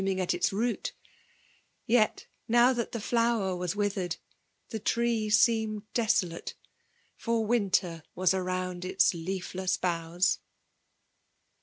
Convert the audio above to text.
iBg at its loot, — ^yet now ihal the flower wM ifitherad^ the tree seemed desolate ; for wistar was around its leafless boughs.